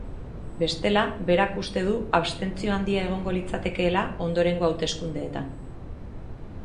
Bestela, berak uste du abstentzio handia egongo litzatekeela ondorengo hauteskundeetan.